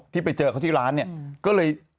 ที่ไปเจอเขาที่ร้านเนี่ยก็เลย